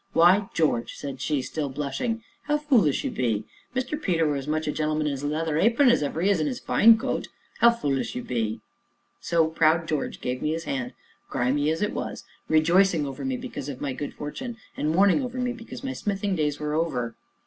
"Why, George!" said she, still blushing, "how fulish you be. Mr. Peter were as much a gentleman in his leather apron as ever he is in his fine coat how fulish you be, George!" So proud George gave me his hand, all grimy as it was, rejoicing over me because of my good fortune and mourning over me because my smithing days were over.